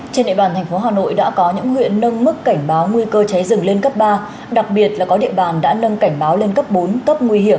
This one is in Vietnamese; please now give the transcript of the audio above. trên địa bàn thành phố hà nội đã có những huyện nâng mức cảnh báo nguy cơ cháy rừng lên cấp ba đặc biệt là có địa bàn đã nâng cảnh báo lên cấp bốn cấp nguy hiểm